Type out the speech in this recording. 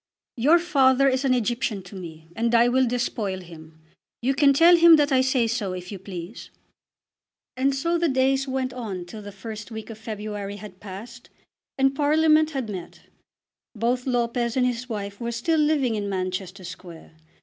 Your father is an Egyptian to me, and I will despoil him. You can tell him that I say so if you please." And so the days went on till the first week of February had passed, and Parliament had met. Both Lopez and his wife were still living in Manchester Square.